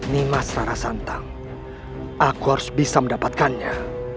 nimas rara santang aku harus bisa mendapatkannya